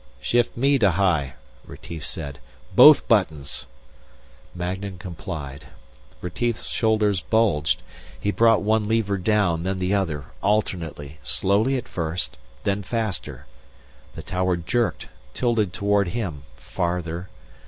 "Shift me to high," Retief said. "Both buttons!" Magnan complied. Retief's shoulders bulged. He brought one lever down, then the other, alternately, slowly at first, then faster. The tower jerked, tilted toward him, farther....